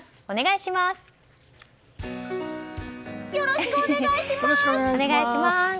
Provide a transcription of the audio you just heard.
お願いします。